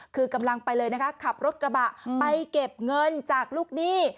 คือกำลังไปเลยนะคะขับรถกระบะไปเก็บเงินจากลูกหนี้